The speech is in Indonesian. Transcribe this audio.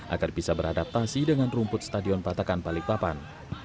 agar bisa beradaptasi dengan rumput stadion patakan balikpapan